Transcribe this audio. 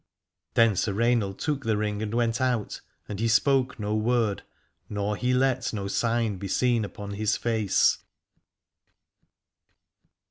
Then Sir Rainald took the ring and went out : and he spoke no word, nor he let no sign be seen upon his face.